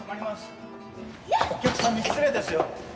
お客さんに失礼ですよ！